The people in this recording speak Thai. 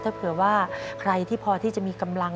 ถ้าเผื่อว่าใครที่พอที่จะมีกำลัง